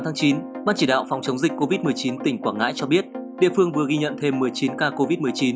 sáng tám chín bác chỉ đạo phòng chống dịch covid một mươi chín tỉnh quảng ngãi cho biết địa phương vừa ghi nhận thêm một mươi chín ca covid một mươi chín